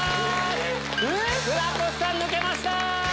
船越さん抜けました！